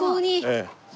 ええ。